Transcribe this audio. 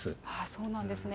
そうなんですね。